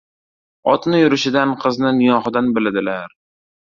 • Otni yurishidan, qizni nigohidan biladilar.